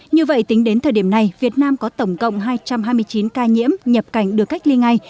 như vậy tính đến thời điểm này việt nam có tổng cộng hai trăm hai mươi chín ca nhiễm nhập cảnh được cách ly ngay